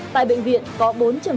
tại bệnh viện có bốn trường hợp đến tỉnh